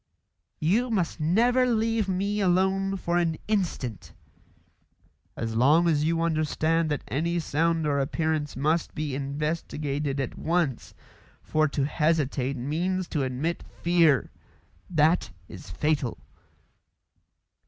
"You must never leave me alone for an instant." "As long as you understand that any sound or appearance must be investigated at once, for to hesitate means to admit fear. That is fatal."